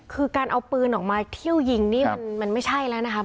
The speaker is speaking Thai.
คือการเอาปืนออกมาเที่ยวยิงนี่มันไม่ใช่แล้วนะครับ